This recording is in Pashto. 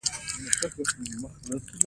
آسونه ځای پر ځای ولاړ ول.